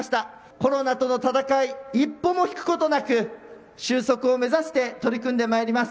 コロナとの戦い、一歩も引くことなく収束を目指して取り組んでまいります。